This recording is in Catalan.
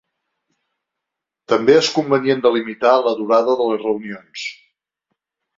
També és convenient de limitar la durada de les reunions.